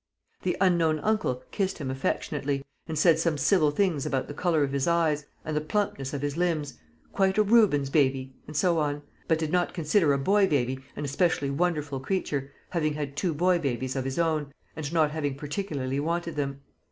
The unknown uncle kissed him affectionately, and said some civil things about the colour of his eyes, and the plumpness of his limbs "quite a Rubens baby," and so on, but did not consider a boy baby an especially wonderful creature, having had two boy babies of his own, and not having particularly wanted them.